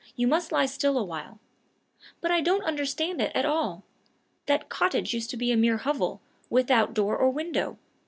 You must lie still awhile. But I don't understand it at all! That cottage used to be a mere hovel, without door or window!